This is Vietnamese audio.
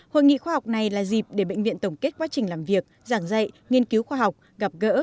hội nghị khoa học này là dịp để bệnh viện tổng kết quá trình làm việc giảng dạy nghiên cứu khoa học gặp gỡ